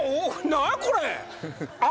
何やこれ。